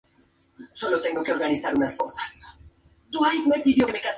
Fue profesor de derecho canónico en Bolonia.